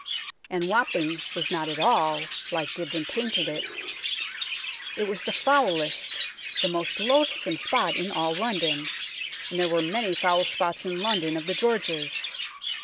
And Wapping was not at all like Dibdin painted it. It was the foulest, the most loathsome spot in all London and there were many foul spots in London of the Georges.